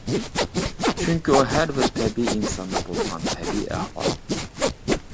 چۈنكى ئۇ ھەربىر تەبىئىي ئىنساندا بولىدىغان تەبىئىي ئەھۋال.